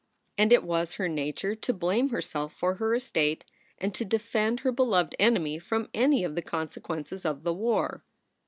And it was her nature to blame herself for her estate, and to defend her beloved enemy from any of the consequences of the war.